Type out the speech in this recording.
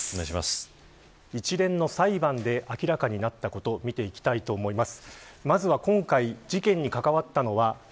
一連の裁判で明らかになったこと見ていきたいと思います。